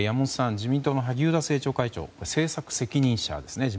自民党の萩生田政調会長政策責任者ですね。